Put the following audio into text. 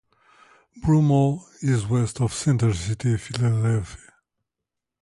Broomall is west of Center City Philadelphia.